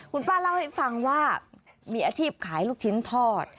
คุณป้าเล่าให้ฟังว่ามีอาชีพขายลูกชิ้นทอด